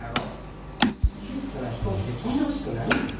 窮屈な飛行機で飛んでほしくないんや。